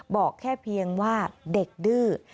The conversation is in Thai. บอกแค่เพียงว่าเด็กดื้อ